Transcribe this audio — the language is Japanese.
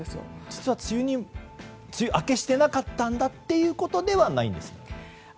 実は、梅雨明けしていなかったんだということではないんですね。